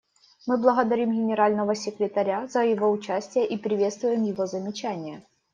Мы благодарим Генерального секретаря за его участие и приветствуем его замечания.